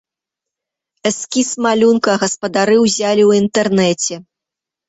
Эскіз малюнка гаспадары ўзялі ў інтэрнэце.